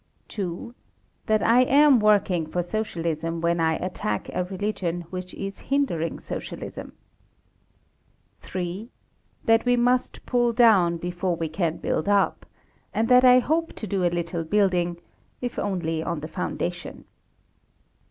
2. That I am working for Socialism when I attack a religion which is hindering Socialism. 3. That we must pull down before we can build up, and that I hope to do a little building, if only on the foundation.